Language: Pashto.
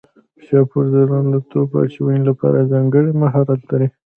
شاپور ځدراڼ د توپ اچونې لپاره ځانګړی مهارت لري.